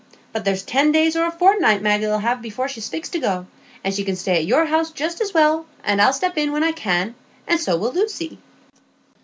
But there's ten days or a fortnight Maggie'll have before she's fixed to go; she can stay at your house just as well, and I'll step in when I can, and so will Lucy."